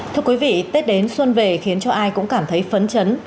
thưa quý vị tết đến xuân về khiến cho ai cũng cảm thấy phấn chấn